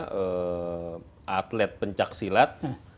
apa namanya atlet pencak silat